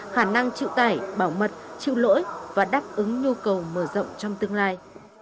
khả năng chịu tải bảo mật chịu lỗi và đáp ứng nhu cầu mở rộng trong tương lai